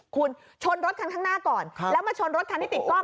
คุณชนรถคันข้างหน้าก่อนแล้วมาชนรถคันที่ติดกล้อง